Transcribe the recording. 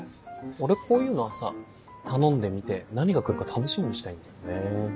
俺こういうのはさ頼んでみて何が来るか楽しみにしたいんだよね。